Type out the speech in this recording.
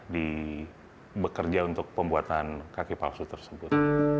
di bekerja untuk pembuatan kaki palsu tersebut